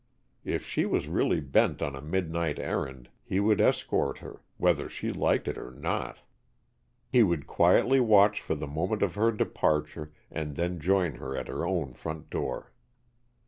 If she was really bent on a midnight errand, he would escort her, whether she liked it or not. He would quietly watch for the moment of her departure, and then join her at her own front door.